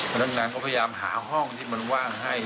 พนักงานก็พยายามหาห้องที่มันว่างให้